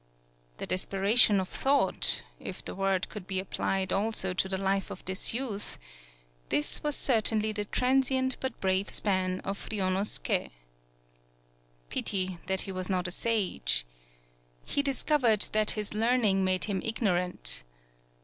The desperation of thought if the word could be applied also to the life of this youth this was certainly the transient but brave span of Ryunosuke. Pity that he was not a sage! He dis covered that his learning made him ig norant.